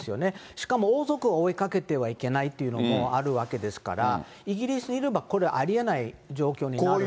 しかも王族を追いかけてはいけないっていうのもあるわけですから、イギリスにいればこれ、ありえない状況になるんです。